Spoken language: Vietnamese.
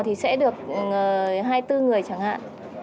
thì sẽ được hai mươi bốn người chẳng hạn